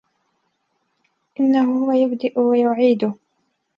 إِنَّهُ هُوَ يُبدِئُ وَيُعيدُ